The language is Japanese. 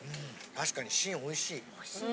確かに芯おいしい。